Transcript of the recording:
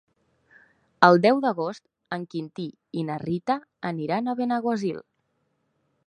El deu d'agost en Quintí i na Rita aniran a Benaguasil.